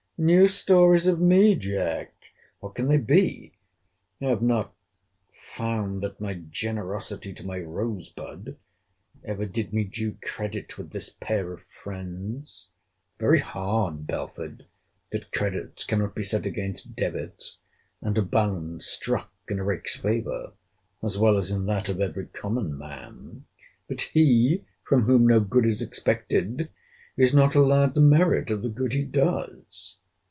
— New stories of me, Jack!—What can they be?—I have not found that my generosity to my Rose bud ever did me due credit with this pair of friends. Very hard, Belford, that credits cannot be set against debits, and a balance struck in a rake's favour, as well as in that of every common man!—But he, from whom no good is expected, is not allowed the merit of the good he does.